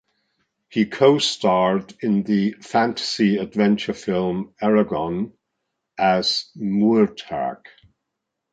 He co-starred in the fantasy-adventure film "Eragon" as Murtagh.